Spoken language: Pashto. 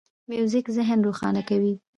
موزیک ذهن روښانه کوي.